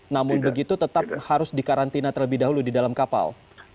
namun begitu tetap harus dikarantina terlebih dahulu di dalam kapal